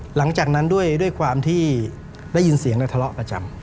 หลังจากนั้นด้วยความที่ได้ยินเสียงและทะเลาะประจำ